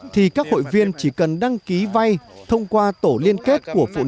thì các hội viên chỉ cần đăng ký vay thông qua tổ liên kết